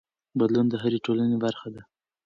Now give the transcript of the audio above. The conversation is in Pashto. بدلون د هرې ټولنې برخه ده.